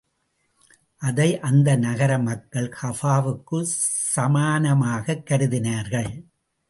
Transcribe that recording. அதை அந்த நகர மக்கள் கஃபாவுக்குச் சமானமாகக் கருதினார்கள்.